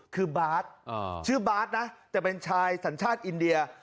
คือบาทชื่อบาทนะแต่เป็นชายสัญชาติอินเดีย